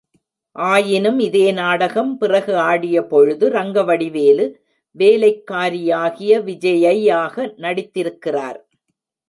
ஆயினும் இதே நாடகம் பிறகு ஆடியபொழுது, ரங்கவடிவேலு, வேலைக்காரியாகிய விஜயையாக நடித்திருக்கிறார்.